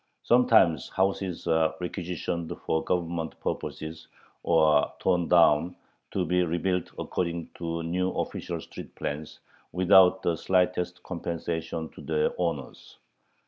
Sometimes houses are requisitioned for Government purposes, or are torn down "to be rebuilt according to [new official street] plans," without the slightest compensation to their owners.